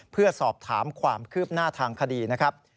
เพื่อสอบถามความคืบหน้าทางคดีนะครับ